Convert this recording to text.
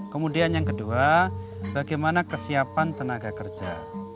kemudian yang kedua bagaimana kesiapan tenaga kerja